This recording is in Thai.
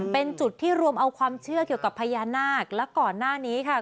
เป็นจุดที่รวมเอาความเชื่อเกี่ยวกับพญานาคและก่อนหน้านี้ค่ะ